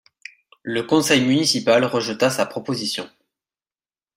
Le conseil municipal rejeta sa proposition.